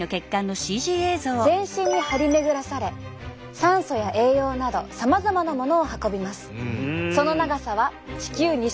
全身に張り巡らされ酸素や栄養などさまざまなものを運びます。